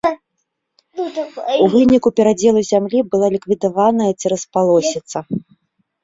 У выніку перадзелу зямлі была ліквідаваная цераспалосіца.